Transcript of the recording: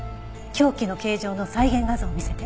凶器の形状の再現画像を見せて。